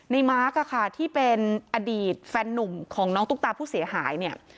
มาร์คอะค่ะที่เป็นอดีตแฟนนุ่มของน้องตุ๊กตาผู้เสียหายเนี่ย